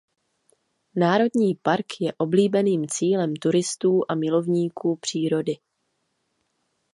Národní park je oblíbeným cílem turistů a milovníků přírody.